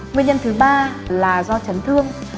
nguyên nhân thứ ba là do chấn thương